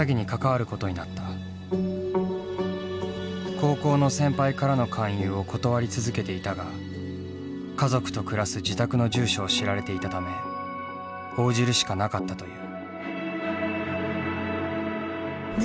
高校の先輩からの勧誘を断り続けていたが家族と暮らす自宅の住所を知られていたため応じるしかなかったという。